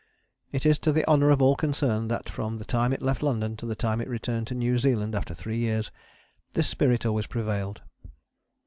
It is to the honour of all concerned that from the time it left London to the time it returned to New Zealand after three years, this spirit always prevailed.